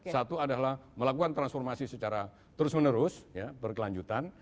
satu adalah melakukan transformasi secara terus menerus berkelanjutan